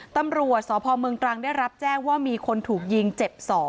ตำรวจสพเมืองตรังได้รับแจ้งว่ามีคนถูกยิงเจ็บ๒